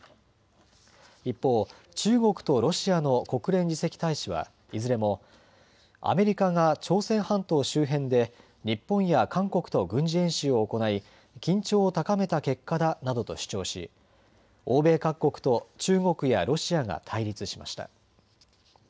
一方、中国とロシアの国連次席大使はいずれもアメリカが朝鮮半島周辺で日本や韓国と軍事演習を行い緊張を高めた結果だなどと主張し欧米各国と中国やロシアが対立しました。